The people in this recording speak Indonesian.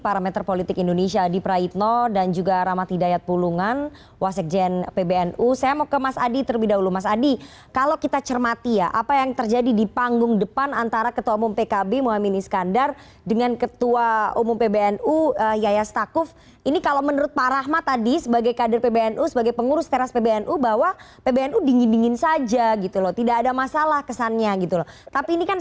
pak rahmat pak rahmat pak rahmat pak rahmat